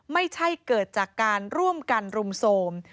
ไม่ใช่เกิดจากการร่วมกันรุมโทรม